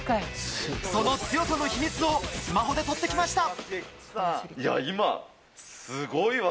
その強さの秘密をスマホで撮ってきました！